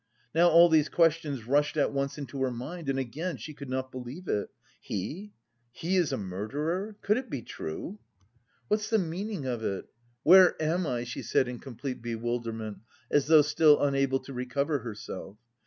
Now all these questions rushed at once into her mind. And again she could not believe it: "He, he is a murderer! Could it be true?" "What's the meaning of it? Where am I?" she said in complete bewilderment, as though still unable to recover herself.